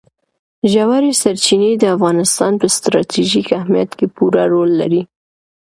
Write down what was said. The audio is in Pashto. ژورې سرچینې د افغانستان په ستراتیژیک اهمیت کې پوره رول لري.